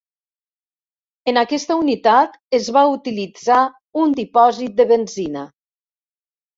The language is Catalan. En aquesta unitat es va utilitzar un dipòsit de benzina.